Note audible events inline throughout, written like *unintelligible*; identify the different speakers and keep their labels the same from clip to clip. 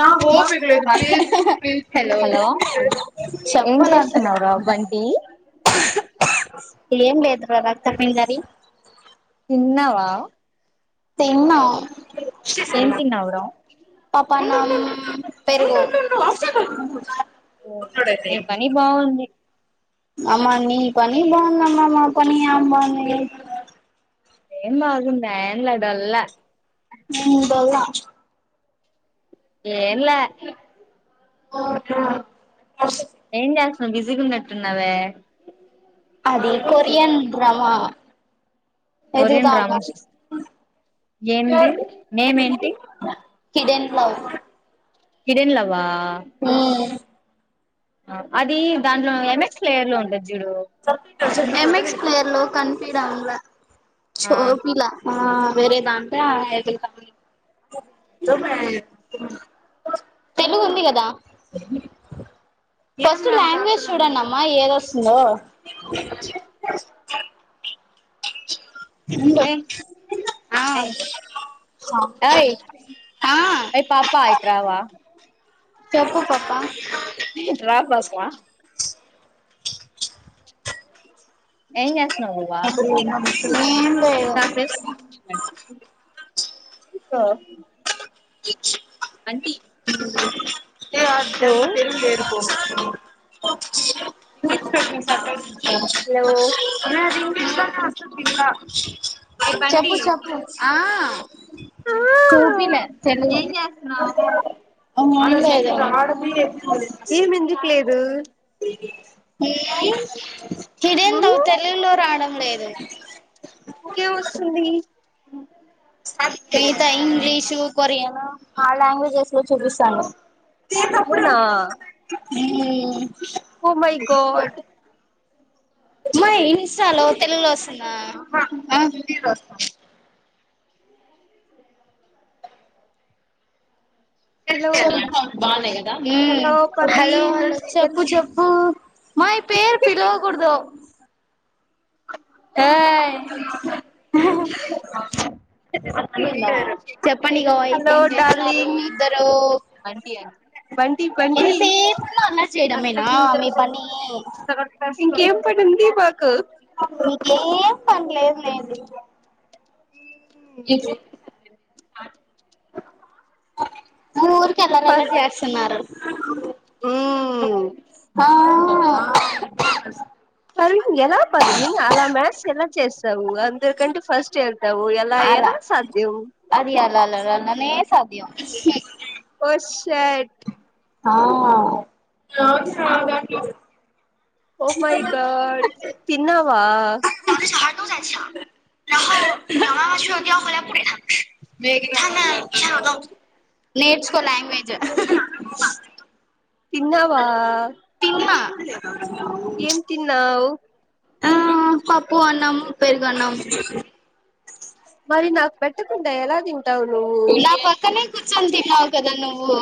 Speaker 1: నాకు ఓపిక లేదు ప్లీజ్ ప్లీజ్
Speaker 2: హలో
Speaker 1: ఏం
Speaker 2: చెప్పంత
Speaker 1: చేస్తున్నావురా బంటి
Speaker 2: ఇల్ ఏం లెధురా రక్త పింజరి
Speaker 1: తిన్నావా
Speaker 2: తిన్నా
Speaker 1: ఏం తిన్నావురా
Speaker 2: పాపాా నా ఉమ్ పెరుగు
Speaker 1: ఉ నీ పని బాగుంది
Speaker 2: అమ్మ నీ పని బాగు అమ్మా మా పని ఎమ్ బాంది
Speaker 1: ఎమ్ బగుంధా ఎమ్లె డోలా
Speaker 2: ఉమ్ డోలా
Speaker 1: ఎమ్లె
Speaker 2: ఓ ఆ
Speaker 1: ఏం చెస్ బిజగా ఉనాటు అనావే
Speaker 2: అదే కొరియన్ డ్రామా ఎది
Speaker 1: కొరియన్
Speaker 2: తా
Speaker 1: డ్రామాస్ ఏంది నేమ్ ఏంటి
Speaker 2: *unintelligible* హిడెన్ ప్లౌ
Speaker 1: హిడెన్ ప్లౌవా
Speaker 2: ఉమ్
Speaker 1: ఆ అది దాంట్లో ఏంస్ థియరీ ఉంటది చూడు.
Speaker 2: ఎం ఎక్స్ ప్లేర్ లో కన్ఫీడ్
Speaker 1: ఆ
Speaker 2: ఇండ్ల ఆ వేరే దాంట్లో అయితయ్ *unintelligible* చనువు ఉంది కదా? కి లాంగ్వేజ్ చూడండిమ్మా ఎడ్ వస్తుందో.
Speaker 1: ఎయ్
Speaker 2: ఆ
Speaker 1: ఎయ్ ఎయ్
Speaker 2: ఆ
Speaker 1: ఏ పాప ఇటు రావ
Speaker 2: చెప్పు పాప్ప
Speaker 1: ఇటుర పాప ఏం చేస్
Speaker 2: ఏం లెడ్
Speaker 1: కాసేపు *unintelligible*
Speaker 2: ఇ
Speaker 1: అంటీ
Speaker 2: ఏ అర్జెంట్ *unintelligible* *unintelligible*
Speaker 1: హలో ఏ
Speaker 2: *unintelligible*
Speaker 1: బంటి
Speaker 2: చెప్పు చెప్పు ఆ కుటిలే తెలుగు
Speaker 1: ఏం చేస్తున్నావు
Speaker 2: ఏం లేదు
Speaker 1: ఏం ఎందుకు లేదు
Speaker 2: హ ఇద్దెందో తెలుగులో రావడం లేదు
Speaker 1: ఒకే వస్తుంది
Speaker 2: ఈత ఇంగ్లీషు కొరియను ఆ లాంగ్వేజెస్ లో చూపిస్తాను
Speaker 1: అవునా
Speaker 2: ఉమ్
Speaker 1: ఓ మై గాడ్
Speaker 2: మా హింసలో తెలుగులో వస్తుంద?
Speaker 1: హలో హలో
Speaker 2: హలో
Speaker 1: పర్వీన్
Speaker 2: చెప్పు చెప్పు మై పేర్ పిలోవకుడదు. ఆయ్. చెప్పండి గయిస్
Speaker 1: హలో
Speaker 2: ఏం చేస్తున్నారు
Speaker 1: డార్లింగ్
Speaker 2: ఇద్దరు.
Speaker 1: బంటి బంటి
Speaker 2: ఏంత సేపు అల్లరి చేయడమేనా మీ పని.
Speaker 1: కుక్.
Speaker 2: మీకేం పనిలేదులేండి. ఇచు ఊరికే అల్లరి
Speaker 1: పర్
Speaker 2: అల్లరి చేస్తున్నారు.
Speaker 1: మ్మ్
Speaker 2: ఆహ్.
Speaker 1: పర్వీన్ ఎలా పర్వీన్ అలా మ్యాథ్స్ ఎలా చేస్. నువ్వు అందరికంటే ఫస్ట్ హేల్ప్. నువ్వు ఎలా ఎలా సాధ్యం.
Speaker 2: అన్ననే సాధ్యం.
Speaker 1: ఓ షేట్.
Speaker 2: ఆహ్ ఇప్పుడు అవసరమా దాంట్లో.
Speaker 1: ఓ మై గాడ్ తిన్నావా.
Speaker 2: నేర్చుకో లాంగ్వేజ్
Speaker 1: తిన్నావా.
Speaker 2: తిన్నా
Speaker 1: ఏం తిన్నావ్.
Speaker 2: ఆహ్ పప్పు, అన్నము, పెరుగు, అన్నము.
Speaker 1: మరి నాకు పెట్టకుండా ఎలా తిన్ టావు నువ్వు.
Speaker 2: నా పక్కనే కూర్చొని తిన్నావ్ కదా నువ్వు.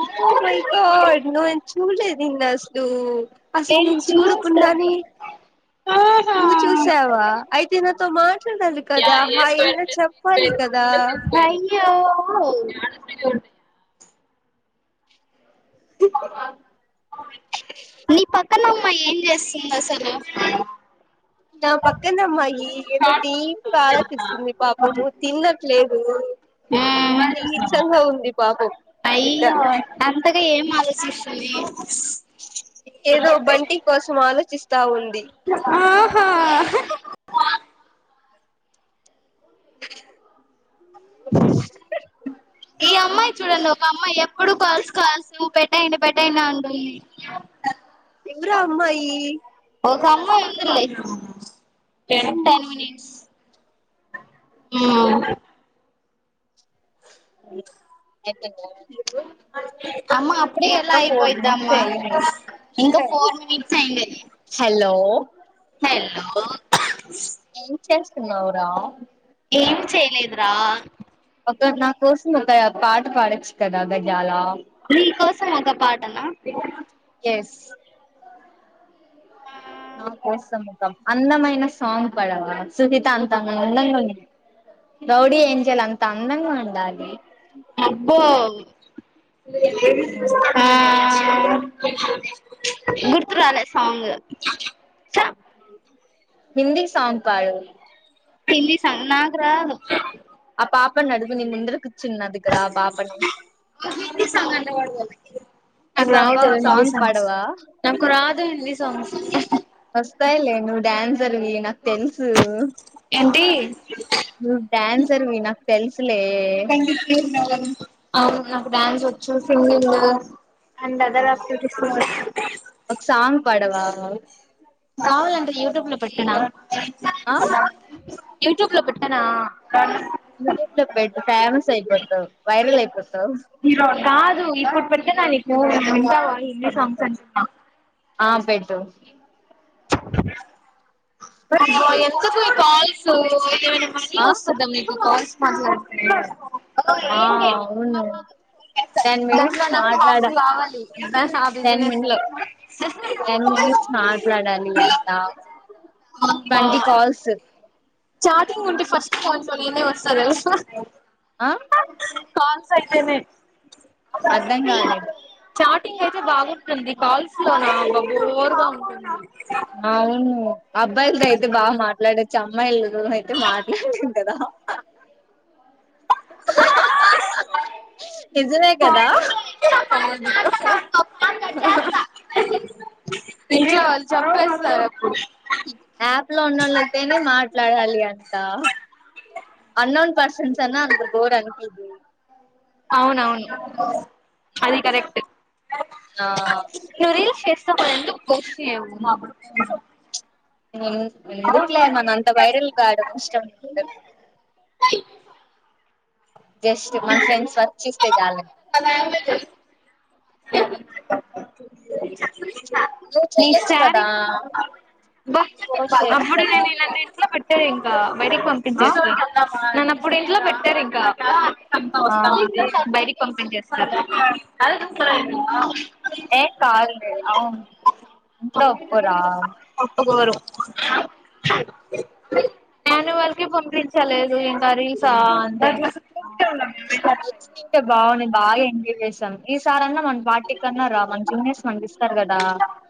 Speaker 1: Oh my god. చూడలేదు ఇంకా అసలు. అసలు నేను చూడకుండానే నువ్వు చూసావా అయితే నాకు. తౌ మార్చు.
Speaker 2: Yeah a square plus b square equal
Speaker 1: కదా
Speaker 2: టు సీ స్క్వేర్. ఓ మేడస్ మీదనే ఉంటాయా. నీ పక్క. పక్కనమ్మ ఏం చేస్తుంది అసలు.
Speaker 1: నా పక్కనమ్మాయి ఏదో డీప్ గా ఆలోచిస్తోంది పాపము తినట్లే. ఓయ్. కీచంగా ఉంది పాపం బిడ్డ.
Speaker 2: మాల శిషని
Speaker 1: ఏదో బంటి కోసం ఆలోచిస్త దావొల్లు ది *unintelligible*
Speaker 2: ఈ అమ్మాయి చూడండి ఒక అమ్మాయి ఎప్పుడు కాల్స్ కాల్స్ నువ్వు పెట్టేయండి పెట్టేయండి అంటుంది
Speaker 1: ఎవురా అమ్మాయి
Speaker 2: ఒక అమ్మాయితో ఉందిలే టెన్ -టెన్ మినిట్స్ మ్
Speaker 1: ఆ ఎక
Speaker 2: అమ్మా అప్పుడే ఎలా
Speaker 1: ఫోర్ మినిట్స్
Speaker 2: అయిపోయిద్దమ్మా
Speaker 1: అయింది
Speaker 2: ఇంకా ఫోర్ మినిట్సే అయ్యింది
Speaker 1: హలో
Speaker 2: బా అ
Speaker 1: ఏం చేస్తున్నావురా
Speaker 2: ఏం చేయలేదురా
Speaker 1: ఒక నా కోసం ఒక పాట పాడొచ్చు కదా గజాల
Speaker 2: నీ కోసం ఒక పాటనా
Speaker 1: ఎస్ నా కోసం ఒక అందమైన సాంగ్ పడవా సునీత అంత అందంగా ఉండాల రౌడీ ఏంజల్ అంత అందంగా ఉండాలి
Speaker 2: అబ్బో ఆ ఆ అ గుర్తురాలే సాంగు
Speaker 1: హిందీ సాంగ్ పాడు
Speaker 2: హిందీ సాంగ్ నాకు రాదు
Speaker 1: ఆ పాపని అడుగు నీ ముందర కూర్చున్నది కదా ఆ పాపనీ.
Speaker 2: నాకు రావు కదా హిందీ సాంగ్స్ నాకు రాదు హిందీ సాంగ్స్
Speaker 1: వస్తాయిలే నువ్ డ్యాన్స్ సరివి నాకు తెలుసు
Speaker 2: టి
Speaker 1: నువ్ డాన్సర్వి నాకు తెలుసులే
Speaker 2: అవును నాకు డాన్స్ వచ్చు సింగింగ్ అండ్ అదర్ ఆప్టివిటీస్
Speaker 1: వా
Speaker 2: కావాలంటె యూట్యూబ్ లో పెట్టనా
Speaker 1: ఆ
Speaker 2: యూట్యూబ్ లో పెట్టనా
Speaker 1: యూట్యూబ్ లో పెట్ ఫేమస్ అయిపోతావు్ వైరల్ అయిపోతావు్
Speaker 2: ఇప్పుడు పెట్టతే నాది ఫోన్ వింటావా హిందీ సాంగ్స్ ఏ
Speaker 1: ఆ పెట్టు
Speaker 2: ఎందుకు ఈ కాల్స్ సు ఏమన్నా మనీ
Speaker 1: ఆ
Speaker 2: వస్తదా మీకు కాల్స్ మాట్లాడి తే
Speaker 1: ఆ అవును టెన్
Speaker 2: దాంట్లో
Speaker 1: మినిట్స్ మాట్లాడాలి
Speaker 2: నాకు ఆ
Speaker 1: టెన్
Speaker 2: బిజినెస్
Speaker 1: మినిట్
Speaker 2: లో
Speaker 1: టెన్ మినిట్స్ మాట్లాడాలి ంట ట్వంటీ కల్స్
Speaker 2: చార్టింగ్ ఉంటే ఫస్ట్ ఫోన్ చోలీ న ఉస్తర
Speaker 1: ఆ
Speaker 2: కాల్స్ ఆ జెమే
Speaker 1: అర్ధం కాలే
Speaker 2: టింగ్ అయితే బాగుంటుంది కాల్స్ లోన అబ్బ బోరుగా ఉంటుంది
Speaker 1: అవును అబ్బాయిలతో అయితే బాగా మాట్లాడే చ్చు అమ్మాయిలు నువ్వు అయితే మాట్లాడినావ్ కదా
Speaker 2: ఉంటుంది
Speaker 1: ఏ నిజమే కదా
Speaker 2: ఇంట్లో వాళ్లు చంపేస్తారు అప్పుడు
Speaker 1: యాప్ లో ఉన్నళ్ళతోనే మాట్లాడాలి అంట అన్నోన్ పర్సన్స్ అన్నా అంత బోర్ అనిపించ్
Speaker 2: అవునవును అది కరెక్ట్
Speaker 1: ఆ
Speaker 2: నువ్ రీల్స్ చెస్ ఎందుకు పోస్ట్ చెయ్యవు మాకు
Speaker 1: ఎందుకులే మనం అంత వైరల్ కావడం ఇష్టం ఉండదు జస్ట్ మన ఫ్రెండ్స్ వరకు చుస్తే చాలు
Speaker 2: అ
Speaker 1: నువ్వు
Speaker 2: నీ
Speaker 1: చెయ్యొచ్చు
Speaker 2: సారి
Speaker 1: కదా పోస్ట్ చేయొచ్చు
Speaker 2: అప్పుడు
Speaker 1: కదా
Speaker 2: నేను ఇంట్లో పెట్ సరే ఇంకా బయటికి
Speaker 1: ఆ
Speaker 2: పంపించేస్తారు నన్నప్ ఇప్పుడు ఇంట్లో పెట్టారు ఇంకా
Speaker 1: ఆ
Speaker 2: *unintelligible* *unintelligible*
Speaker 1: ఏమ్ కా *unintelligible* అవును ఇంట్లో ఓప్పుకోరా
Speaker 2: ఒప్పకోరు నను వల్కి పంపించలేదు. ఇంకా రీల్సా అ
Speaker 1: వచ్చి తింటే బాగు బాగా ఎంజాయ్ చేసాం. ఈ సారి అన్న మన పార్టీ కన్నా రా మన చికాగానే మంచి గానే స్పందిస్తారు. కదా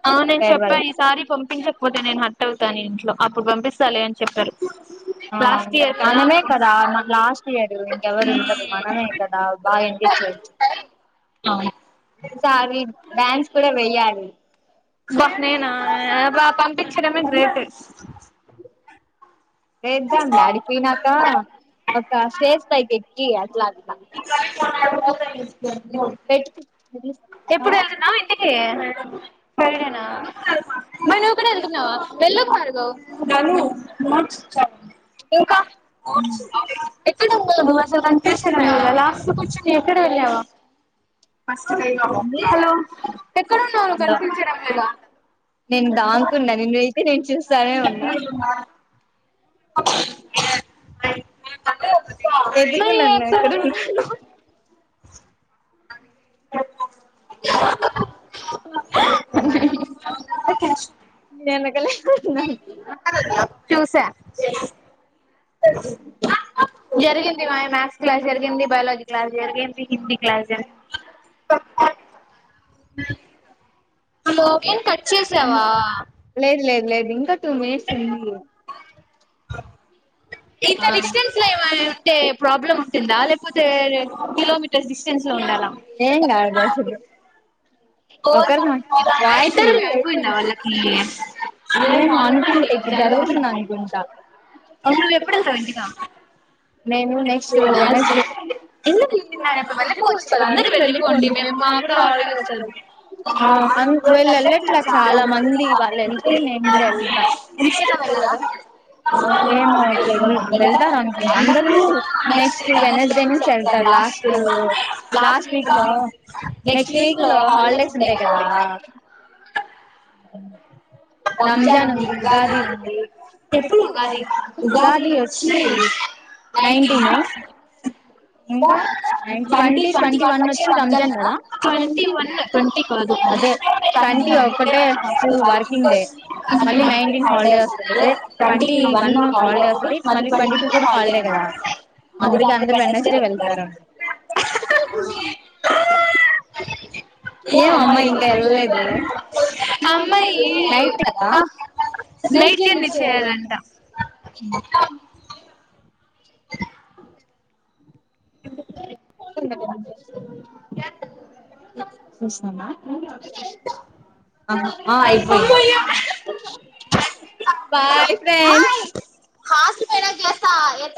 Speaker 2: అవునే చెప్పా
Speaker 1: ఫేర్వెల్
Speaker 2: ఈసారి పంపించకపోతే నేను హాట్ అవుతాను ఇంట్లో అప్పుడు పంపిస్తాలే అని చెప్పారు
Speaker 1: ఆ
Speaker 2: లాస్ట్ ఇయర్
Speaker 1: మనమే
Speaker 2: అప్పుడు
Speaker 1: కదా లాస్ట్ ఇయర్ ఇంకెవ్వారు ఉండరు. మనమే కదా బాగా ఎంజేజ్ చేయెచ్చు
Speaker 2: అవును
Speaker 1: ఈసారి డ్యాన్స్ కూడా వెయాలి.
Speaker 2: బా నేనా బా పంపించడమే గ్రేట్
Speaker 1: వేద్దామ్ లే అడిపోయినాక ఒక స్టేజ్ పైకి ఎక్కి ఈ అట్లా అను
Speaker 2: *unintelligible*
Speaker 1: *unintelligible*
Speaker 2: ఎప్పుడు వెళ్తున్నావు ఇంటికి సరేనా మరి నువ్వు కూడా వెళ్తున్నావా *unintelligible* ఇంకా
Speaker 1: ఉమ్,
Speaker 2: *unintelligible*
Speaker 1: ఏంది
Speaker 2: హలో ఎక్కడన్నావ్ నువ్వు
Speaker 1: హలో
Speaker 2: కనిపించడం లేదు
Speaker 1: నేను దాంకున్నా నేను *unintelligible* మీరే ఏమ్ చేస్తున్నారు సరే ఉన్నా చా
Speaker 2: *unintelligible*
Speaker 1: ఎందుకు నన్ను ఎక్కడ ఉన్నాను
Speaker 2: అ
Speaker 1: కళ్యాణ
Speaker 2: చూసా *inaudible* జరిగింది, మాన్, మ్యాథ్స్ క్లాస్ జరిగింది, బయలజి లజీ క్లాస్ జరిగింది, హిందీ క్లాస్, జరి. అ లోకేన్ కట్, చేసావా.
Speaker 1: లేదు లేదు లేదు ఇంకా, టూ మినిట్స్, ఉంది.
Speaker 2: ఇంత,
Speaker 1: ఆ
Speaker 2: డిస్టెన్స్ ఎమాయ. అంతే ప్రాబ్లమ్ వొచ్చిందా లేపోతే కిలోమీటర్, డిస్టెన్స్. లో
Speaker 1: ఎగాదు.
Speaker 2: ఇంరవ్యూ అయిపోయిందా, వాళ్ళకి యస్.
Speaker 1: మేం అనుకుంటే, ఇప్పుడు జరుగుతుంది అనుకుంటా.
Speaker 2: అ నువ్వు ఎప్పుడెల్తావు ఇంటికా.
Speaker 1: నేను, నెక్స్ట్, వెనస్ డే.
Speaker 2: వెళ్ళిపోవచ్చు కదా, అందరు వెళ్ళిపోండి, మేము మాకు కూడా ఆల్డే వస్తది.
Speaker 1: ఆ అన్ వీళ్ళు వెళ్ళట్లా చాలా మంది వాళ్ళు వెళ్తే నేను కూడా వెళ్తా వెళ్ళదా ఏమో తెలీదు వెళ్తారు అనుకుంటా అందరూ నెక్స్ట్ వెనడ్స్ డే నుంచి చేల్. లో
Speaker 2: నెక్స్ట్ వీక్ లో, హాలిడేస్ ఉంటాయి కదా.
Speaker 1: రంజాన్
Speaker 2: పజానుడి
Speaker 1: ఉంది
Speaker 2: ఉగాది
Speaker 1: ఉంది
Speaker 2: ఎప్పుడు, ఉగాది ఉగాది వచ్చి నైటీన్.
Speaker 1: నైన్టీన్ ఇంకా అండ్
Speaker 2: ట్వంటీ ట్వంట వన్ వచ్చి రంజాన్ కదా twenty
Speaker 1: twenty
Speaker 2: one twenty
Speaker 1: twenty
Speaker 2: కాదు.
Speaker 1: అదే ట్వంటీ ఒకటే ఫస్ట్ వర్కింగ్ డే మళ్ళీ నైన్టీన్ హాలిడే వస్తది అదే ట్వంటీ వన్ హాలిడే వస్తది మళ్ళీ ట్వంటీ టూ కూడా హాలిడే
Speaker 2: *unintelligible*
Speaker 1: వెళ్తార.
Speaker 2: అమ్మ యె
Speaker 1: నైట్ కదా
Speaker 2: నైట్ జర్నీ, సెయాలంట.
Speaker 1: *inaudible*
Speaker 2: అయిపోయింది
Speaker 1: బాయ్ ఫ్రెండ్స్.
Speaker 2: హాస్టల్ పోయినక జెస్తా.